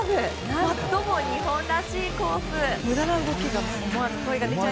何とも日本らしいコースです。